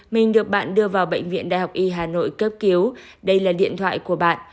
mình được bạn đưa vào bệnh viện đại học y hà nội cấp cứu đây là điện thoại của bạn